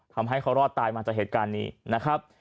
ทำให้เขารอดตายมาจากเหตุการณ์นี้นะครับ